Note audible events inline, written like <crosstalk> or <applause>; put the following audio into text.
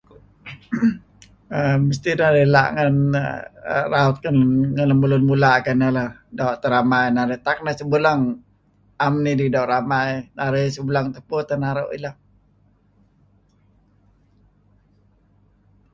<coughs> err mesti' narih ela' negan raut ngen lemulun mula' kayu' ineh leh. Doo' neh ramai narih. Tak narih sebuleng 'em nidih doo' ramai. Narih sebuleng tupu teh naru' ih lah.